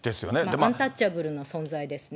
アンタッチャブルな存在ですね。